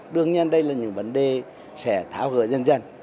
đương nhiên đây là những vấn đề sẽ tháo gỡ dân dân